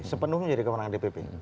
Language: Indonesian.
sepenuhnya jadi kewenangan dpp